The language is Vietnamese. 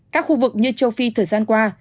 các khu vực như châu phi thời gian qua